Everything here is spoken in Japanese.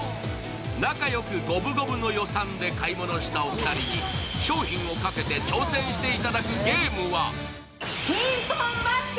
仲良く五分五分の予算で買い物したお二人に、商品をかけて挑戦していただくゲームは。